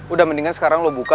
udah mendingan sekarang lo buka